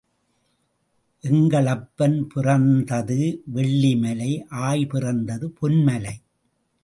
எங்கள் அப்பன் பிறந்தது வெள்ளி மலை ஆய் பிறந்தது பொன் மலை.